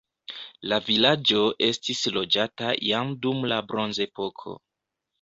La vilaĝo estis loĝata jam dum la bronzepoko.